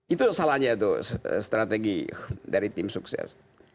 itu salahnya itu strategi dari tim sukses